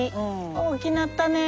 大きなったね。